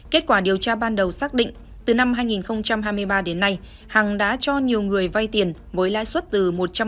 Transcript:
kết quả điều tra ban đầu xác định từ năm hai nghìn hai mươi ba đến nay hằng đã cho nhiều người vay tiền với lãi suất từ một trăm linh